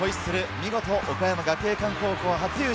見事、岡山学芸館高校初優勝。